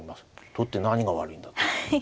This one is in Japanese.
取って何が悪いんだ。